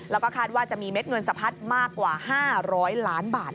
แล้วก็คาดว่าจะมีเม็ดเงินสะพัดมากกว่า๕๐๐ล้านบาท